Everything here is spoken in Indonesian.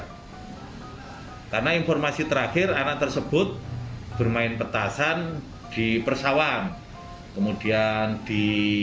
karena informasi terakhir anak tersebut bermain petasan di persawahan kemudian di